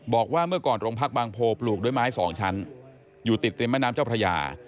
บอกว่าเมื่อก่อนโรงพักบางโพปลูกด้วยไม้สองชั้นอยู่ติดริมแม่น้ำเจ้าพระยา